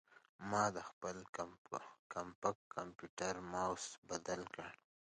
ما د خپل کمپاک کمپیوټر ماؤس بدل کړ.